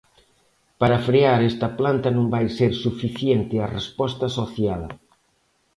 Para frear esta planta non vai ser suficiente a resposta social.